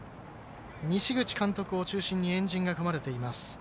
西口監督を中心に円陣が組まれています。